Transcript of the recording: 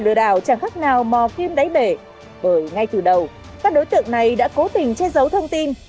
lừa đảo chẳng khách nào mò kim đáy bể bởi ngay từ đầu các đối tượng này đã cố tình che giấu thông tin